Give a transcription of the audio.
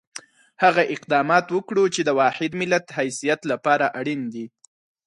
هغه اقدامات وکړو چې د واحد ملت حیثیت لپاره اړین دي.